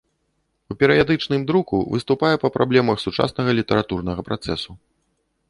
У перыядычным друку выступае па праблемах сучаснага літаратурнага працэсу.